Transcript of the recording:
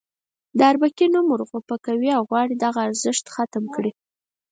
د اربکي نوم ورغوپه کوي او غواړي دغه ارزښت ختم کړي.